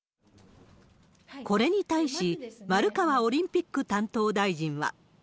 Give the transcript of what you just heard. これに対し、丸川オリンピック担当大臣は。